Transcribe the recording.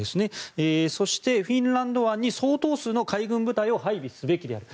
そして、フィンランド湾に相当数の海軍部隊を配備すべきである。